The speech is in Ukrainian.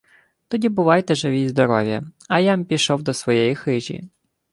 — Тоді бувайте живі й здорові, а я-м пішов до своєї хижі.